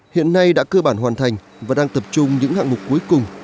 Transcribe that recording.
hiện nay đã cơ bản hoàn thành và đang tập trung những hạng mục cuối cùng